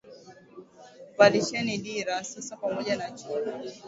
Mvalisheni dira sasa pamoja na chupi!